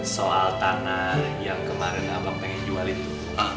soal tanah yang kemarin abang pengen jual itu